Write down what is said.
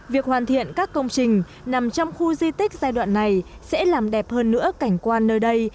việc hoàn thiện các công trình nằm trong khu di tích giai đoạn này sẽ làm đẹp hơn nữa cảnh quan nơi đây